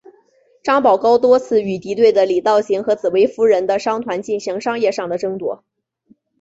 张保皋多次与敌对的李道行和紫薇夫人的商团进行商业上的争夺。